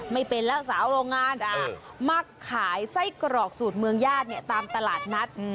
ไม่เป็นแล้วสาวโรงงานมาขายไส้กรอกสูตรเมืองญาติเนี่ยตามตลาดนัด